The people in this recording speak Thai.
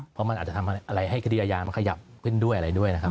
เพราะมันอาจจะทำอะไรให้คดีอาญามันขยับขึ้นด้วยอะไรด้วยนะครับ